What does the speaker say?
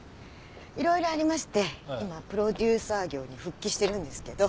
色々ありまして今プロデューサー業に復帰してるんですけど。